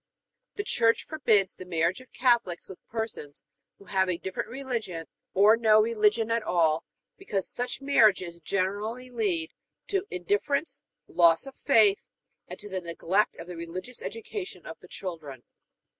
The Church forbids the marriage of Catholics with persons who have a different religion or no religion at all, because such marriages generally lead to indifference, loss of faith, and to the neglect of the religious education of the children.